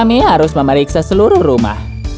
meriksa seluruh rumah